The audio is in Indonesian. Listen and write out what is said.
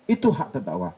itu hak terdakwa